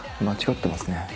間違ってますね。